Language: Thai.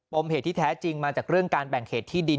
มเหตุที่แท้จริงมาจากเรื่องการแบ่งเขตที่ดิน